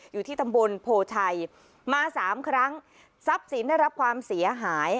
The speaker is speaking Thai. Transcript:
อยู่ที่ตำบลโพชัยมาสามครั้งทรัพย์สินได้รับความเสียหาย